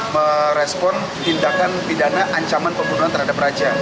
merespon tindakan pidana ancaman pembunuhan terhadap raja